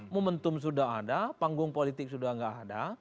momentum sudah ada panggung politik sudah tidak ada